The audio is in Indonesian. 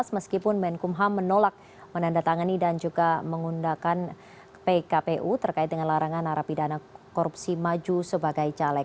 meskipun menkumham menolak menandatangani dan juga mengundangkan pkpu terkait dengan larangan narapidana korupsi maju sebagai caleg